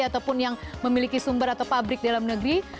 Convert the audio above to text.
ataupun yang memiliki sumber atau pabrik dalam negeri